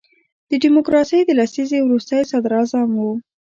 د ډیموکراسۍ د لسیزې وروستی صدر اعظم وو.